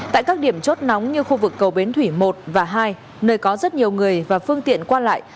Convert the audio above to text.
tại các điểm chốt nóng như khu vực cầu bến thủy một và hai nơi có rất nhiều người và phương tiện qua lại